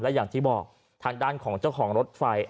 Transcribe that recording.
อย่างที่บอกทางด้านของเจ้าของรถไฟ